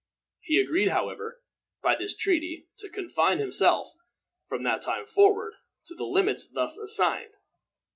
He agreed, however, by this treaty, to confine himself, from that time forward, to the limits thus assigned.